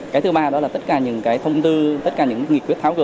cái thứ ba là tất cả những thông tư tất cả những nghiệp quyết tháo gử